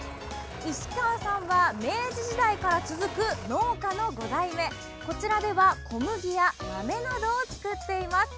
石川さんは明治時代から続く農家の５代目、こちらでは小麦や豆などを作っています。